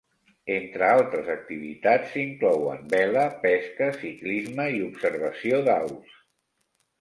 Entre altres activitats s'inclouen vela, pesca, ciclisme i observació d'aus.